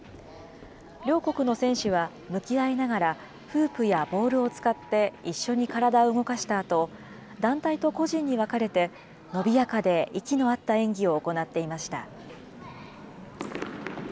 両国の選手は向き合いながらフープやボールを使って、一緒に体を動かしたあと、団体と個人に分かれて、伸びやかで息の合った演技を行っていました。